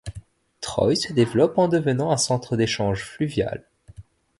Troy se développe en devenant un centre d'échanges fluvial.